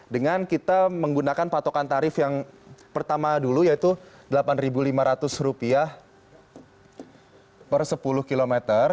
dengan kita menggunakan patokan tarif yang pertama dulu yaitu rp delapan lima ratus per sepuluh km